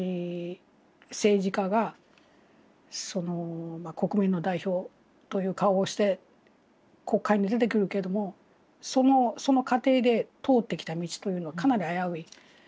政治家が国民の代表という顔をして国会に出てくるけれどもその過程で通ってきた道というのはかなり危うい。